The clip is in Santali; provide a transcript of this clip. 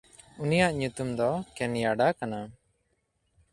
ᱩᱱᱤᱭᱟᱜ ᱧᱩᱛᱩᱢ ᱫᱚ ᱠᱮᱱᱭᱟᱰᱟ ᱠᱟᱱᱟ᱾